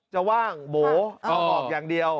จะว่างโบ๊ะออกอย่างเดียว